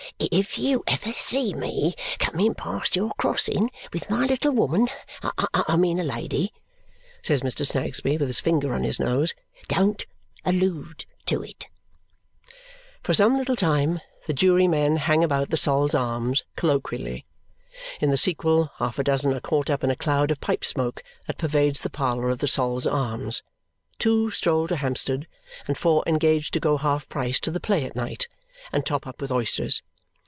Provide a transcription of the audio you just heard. "If you ever see me coming past your crossing with my little woman I mean a lady " says Mr. Snagsby with his finger on his nose, "don't allude to it!" For some little time the jurymen hang about the Sol's Arms colloquially. In the sequel, half a dozen are caught up in a cloud of pipe smoke that pervades the parlour of the Sol's Arms; two stroll to Hampstead; and four engage to go half price to the play at night, and top up with oysters.